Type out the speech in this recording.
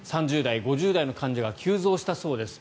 ３０代、５０代の患者が急増したそうです。